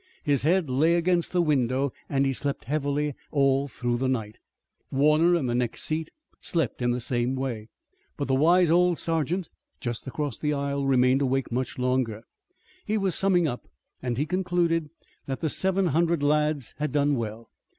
His head lay against the window and he slept heavily all through the night. Warner in the next seat slept in the same way. But the wise old sergeant just across the aisle remained awake much longer. He was summing up and he concluded that the seven hundred lads had done well.